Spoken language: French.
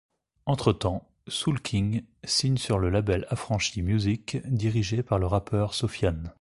Entre temps, Soolking signe sur le label Affranchis Music dirigé par le rappeur Sofiane.